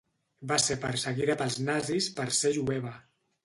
Va ser perseguida pels nazis per ser jueva.